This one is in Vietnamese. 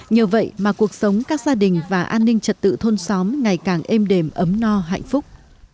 nhờ vậy mà cuộc sống các gia đình và an ninh trật tự thôn xóm ngày càng êm đềm ấm no hạnh phúc